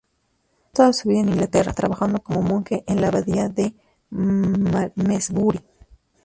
Pasó toda su vida en Inglaterra, trabajando como monje en la abadía de Malmesbury.